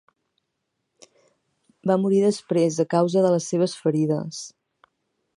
Va morir després a causa de les seves ferides.